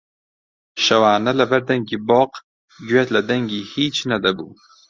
شەوانە لەبەر دەنگی بۆق گوێت لە دەنگی هیچ نەدەبوو